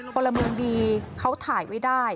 ปลาระเบิดดีเขาถ่ายไว้ได้